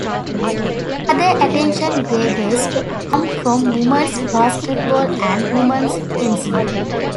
Other attention grabbers come from Women's Basketball and Women's Fencing.